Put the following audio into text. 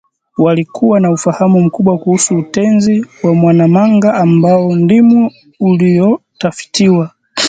walikuwa na ufahamu mkubwa kuhusu Utenzi wa Mwanamanga ambao ndiwo uliotafitiwa